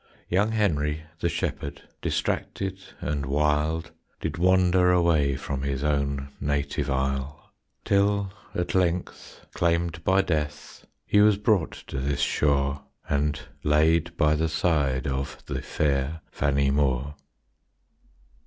Young Henry, the shepherd, Distracted and wild, Did wander away From his own native isle. Till at length, claimed by death, He was brought to this shore And laid by the side Of the fair Fannie Moore.